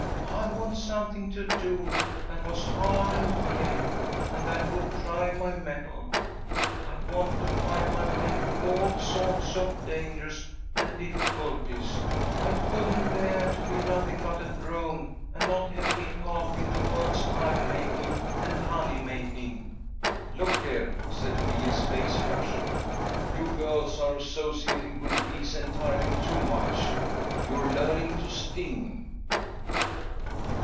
I'd want something to do that was hard and brave, and that would try my mettle. I'd want to fight my way through all sawts of dangahs and difficulties. I couldn't beah to be nothing but a drone, and not have any paht in the world's hive making and honey making." "Look here," said Phil, his face flushing, "you girls are associating with bees entirely too much. You're learning to sting."